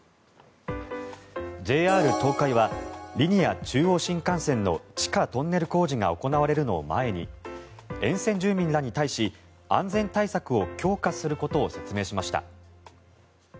ＪＲ東海はリニア中央新幹線の地下トンネル工事が行われるのを前に沿線住民らに対し安全対策を強化することを表明しました。